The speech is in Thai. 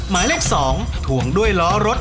หมายเลข๒ถวงด้วยล้อรถ